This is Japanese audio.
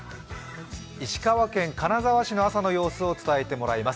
石川県金沢市の朝の様子を伝えてもらいます。